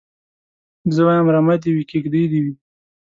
زه وايم رمه دي وي کيږدۍ دي وي